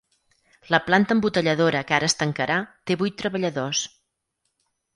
La planta embotelladora que ara es tancarà té vuit treballadors.